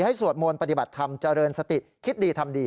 สวดมนต์ปฏิบัติธรรมเจริญสติคิดดีทำดี